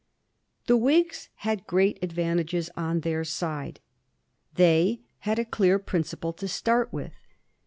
The Whigs had great advantages on their side. They had a clear principle to start with.